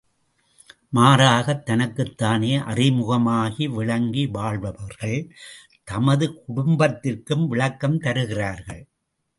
மாறாகத் தனக்குத்தானே அறிமுகமாக விளங்கி வாழ்பவர்கள், தமது குடும்பத்திற்கும் விளக்கம் தருகிறார்கள்.